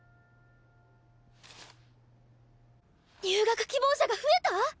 入学希望者が増えた